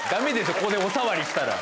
ここでお触りしたら。